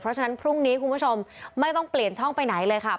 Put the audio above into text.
เพราะฉะนั้นพรุ่งนี้คุณผู้ชมไม่ต้องเปลี่ยนช่องไปไหนเลยค่ะ